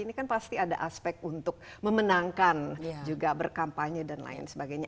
ini kan pasti ada aspek untuk memenangkan juga berkampanye dan lain sebagainya